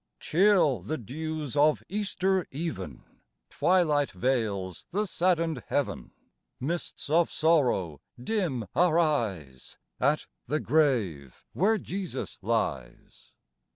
CHILL the dews of Easter even ; Twilight veils the saddened heaven ; Mists of sorrow dim our eyes, At the grave where Jesus lies.